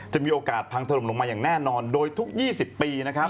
จะมีโอกาสพังถล่มลงมาอย่างแน่นอนโดยทุก๒๐ปีนะครับ